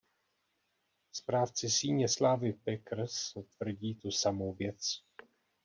Správci Síně slávy Packers tvrdí tu samou věc.